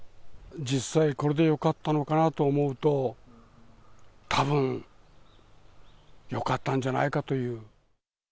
実際これでよかったのかなと思うと、たぶんよかったんじゃないかという。